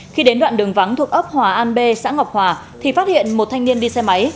khi đến đoạn đường vắng thuộc ấp hòa an b xã ngọc hòa thì phát hiện một thanh niên đi xe máy